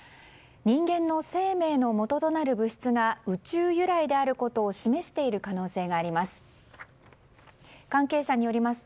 人間の生命のもととなる物質が宇宙由来であることを示している可能性があります。